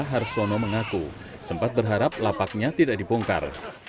harsono mengaku sempat berharap lapaknya tidak dibongkar